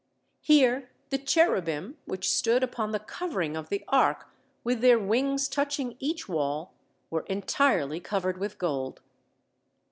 Here the cherubim, which stood upon the covering of the Ark, with their wings touching each wall, were entirely covered with gold.